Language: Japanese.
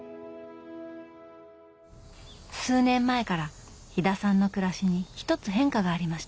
数年前から飛田さんの暮らしに一つ変化がありました。